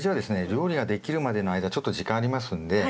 料理ができるまでの間ちょっと時間ありますんで。